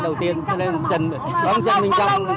cầu thủ thì chưa lắm